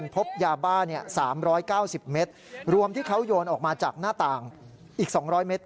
พบยาบ้า๓๙๐เมตรรวมที่เขาโยนออกมาจากหน้าต่างอีก๒๐๐เมตร